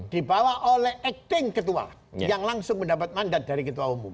dibawa oleh acting ketua yang langsung mendapat mandat dari ketua umum